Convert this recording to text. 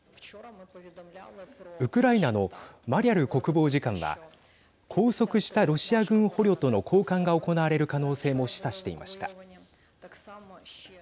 ウクライナのマリャル国防次官は拘束したロシア軍捕虜との交換が行われる可能性も示唆していました。